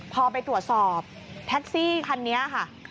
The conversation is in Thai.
พอไปตรวจสอบแท็กซี่คันนี้ค่ะ